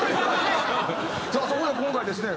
さあそこで今回ですね